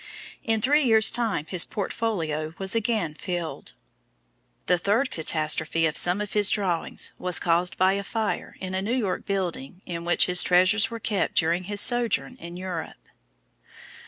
In three years' time his portfolio was again filled. The third catastrophe to some of his drawings was caused by a fire in a New York building in which his treasures were kept during his sojourn in Europe.